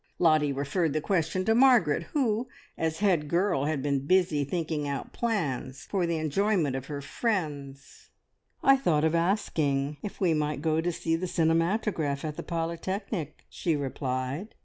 Lottie referred the question to Margaret, who, as head girl, had been busy thinking out plans for the enjoyment of her friends. "I thought of asking if we might go to see the Cinematograph at the Polytechnic," she replied.